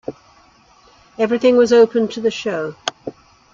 Everything was open to the show.